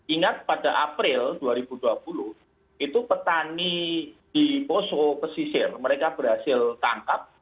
ingat pada april dua ribu dua puluh itu petani di poso pesisir mereka berhasil tangkap